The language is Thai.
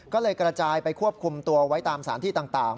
ก็เลยกระจายไปควบคุมตัวไว้ตามสารที่ต่าง